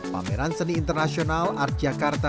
pameran seni internasional art jakarta dua ribu dua puluh dua